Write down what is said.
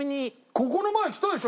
ここの前来たでしょ？